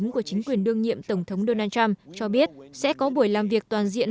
của chính quyền đương nhiệm tổng thống donald trump cho biết sẽ có buổi làm việc toàn diện